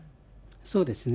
そうですね。